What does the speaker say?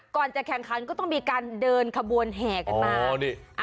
ก่อนจะแข่งขันก็ต้องมีการเดินขบวนแห่กันมา